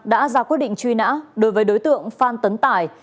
đã ra quyết định truy nã đối với đối tượng phan tấn tài